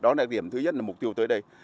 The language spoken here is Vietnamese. đó là điểm thứ nhất là mục tiêu tới đây